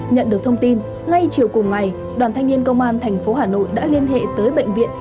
nhận được thông tin ngay chiều cùng ngày đoàn thanh niên công an thành phố hà nội đã liên hệ tới bệnh viện